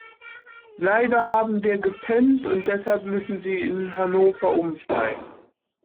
Leider haben wir gepennt und deshalb müssen Sie in Hannover umsteigen.